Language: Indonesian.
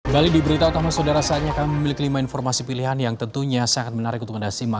balik di berita utama saudara saatnya kami memiliki lima informasi pilihan yang tentunya sangat menarik untuk anda simak